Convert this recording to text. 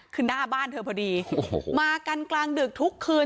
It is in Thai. คือหน้าบ้านเธอพอดีโอ้โหมากันกลางดึกทุกคืน